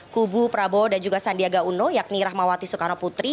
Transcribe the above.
kubu prabowo dan juga sandiaga uno yakni rahmawati soekarno putri